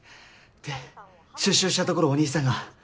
で出所したところをお兄さんが。